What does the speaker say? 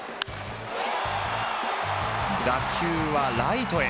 打球はライトへ。